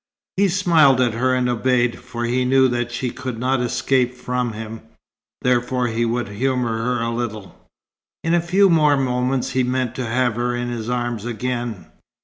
He smiled at her and obeyed; for he knew that she could not escape from him, therefore he would humour her a little. In a few more moments he meant to have her in his arms again.